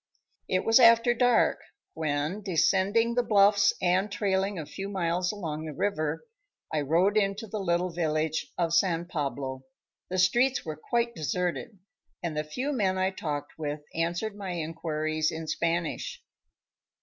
It was after dark when, descending the bluffs and trailing a few miles along the river, I rode into the little village of San Pablo. The streets were quite deserted, and the few men I talked with answered my inquiries in Spanish.